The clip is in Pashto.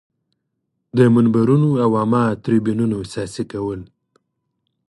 د منبرونو او عامه تریبیونونو سیاسي کول.